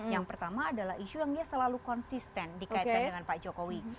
yang pertama adalah isu yang dia selalu konsisten dikaitkan dengan pak jokowi